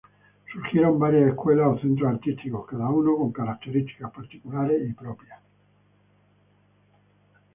Surgieron varias escuelas o centros artísticos, cada uno con características particulares y propias.